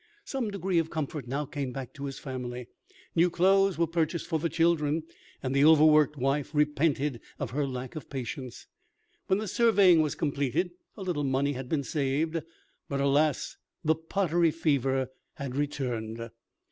Some degree of comfort now came back to his family. New clothes were purchased for the children, and the overworked wife repented of her lack of patience. When the surveying was completed, a little money had been saved, but, alas! the pottery fever had returned.